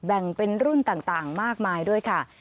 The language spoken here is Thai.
แบ่งเป็นรุ่นต่างมากมายด้วยค่ะ